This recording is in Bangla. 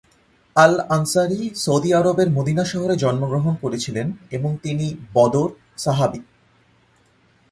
আল-আনসারী সৌদি আরবের মদিনা শহরে জন্মগ্রহণ করেছিলেন এবং তিনি বদর সাহাবী।